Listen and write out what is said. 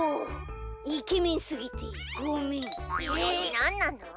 なんなの？